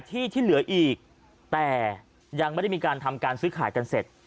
แต่ยังไม่ได้มีการทำการซื้อขายกันเสร็จ